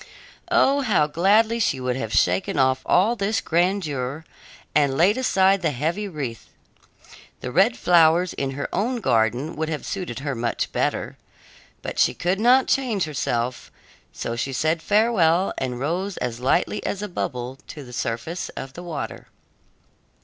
Oh, how gladly she would have shaken off all this grandeur and laid aside the heavy wreath! The red flowers in her own garden would have suited her much better. But she could not change herself, so she said farewell and rose as lightly as a bubble to the surface of the water.